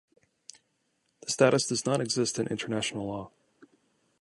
The status does not exist in international law.